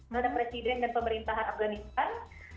melalui presiden dan pemerintahan afghanistan